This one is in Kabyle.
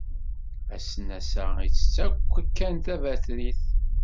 Asnas-a ittett-ak kan tabatrit.